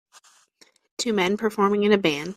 Two men performing in a band.